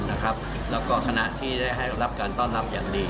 แล้วก็ขณะที่ได้ให้รับการต้อนรับอย่างดี